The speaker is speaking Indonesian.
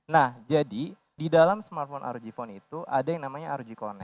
nah jadi di dalam smartphone rog phone itu ada yang namanya rog connec